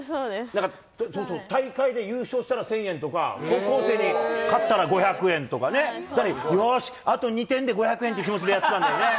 だから、大会で優勝したら１０００円とか、高校生に勝ったら５００円とかね。よーし、あと２点で５００円っていう気持ちでやってたんだよね。